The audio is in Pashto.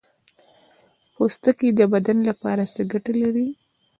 پوستکی د بدن لپاره څه ګټه لري